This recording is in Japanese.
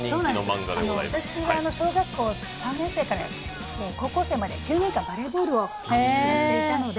私は小学校３年生から高校生まで９年間、バレーボールをやっていましたので。